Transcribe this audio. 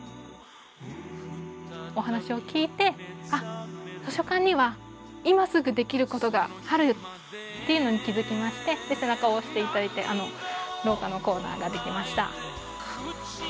お話を聞いて「あっ図書館には今すぐできることがある」っていうのに気付きまして背中を押して頂いてあの廊下のコーナーができました。